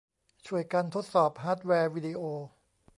ช่วยกันทดสอบฮาร์ดแวร์วีดิโอ